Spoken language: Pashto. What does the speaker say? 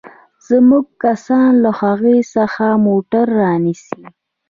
زموږ کسان له هغوى څخه موټر رانيسي.